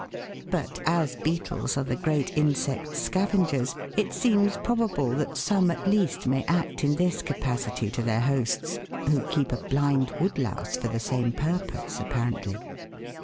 But, as beetles are the great insect scavengers, it seems probable that some at least may act in this capacity to their hosts, who keep a blind woodlouse for the same purpose apparently.